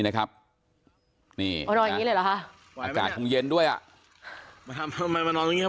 นี่รอยอย่างนี้เลยเหรอคะอากาศคงเย็นด้วยอ่ะมาทำทำไมมานอนตรงเงี